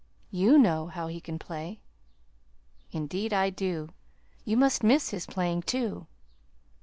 YOU know how he can play." "Indeed I do! You must miss his playing, too."